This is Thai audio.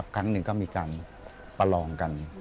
ครั้งหนึ่งก็มีการประลองกัน